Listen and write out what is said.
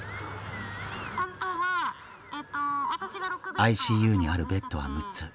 ＩＣＵにあるベッドは６つ。